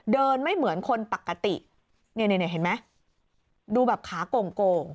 เดินไม่เหมือนคนปกติเห็นมั้ยดูแบบขากล่อง